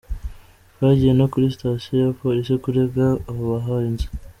Twagiye no kuri stasiyo ya Polisi kurega abo bahanzi!”.